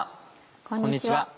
こんにちは。